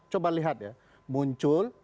coba lihat ya muncul